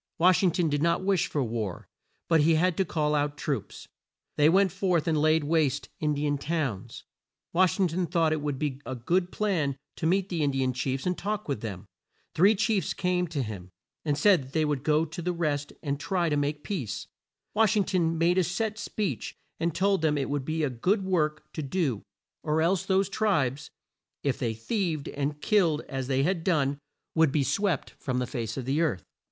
Wash ing ton did not wish for war, but he had to call out troops. They went forth and laid waste In di an towns. Wash ing ton thought it would be a good plan to meet the In di an chiefs and talk with them. Three chiefs came to him, and said they would go to the rest and try to make peace. Wash ing ton made a set speech and told them it would be a good work to do, or else those tribes, "if they thieved and killed as they had done, would be swept from the face of the earth."